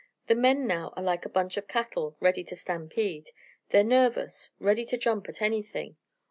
The men now are like a bunch of cattle ready to stampede. They're nervous, ready to jump at anything.